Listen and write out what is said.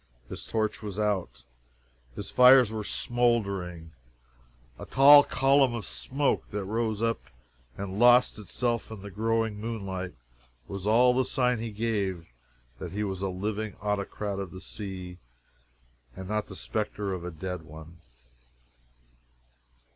His torch was out; his fires were smoldering; a tall column of smoke that rose up and lost itself in the growing moonlight was all the sign he gave that he was a living Autocrat of the Sea and not the spectre of a dead one.